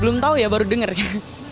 belum tahu ya baru dengar gitu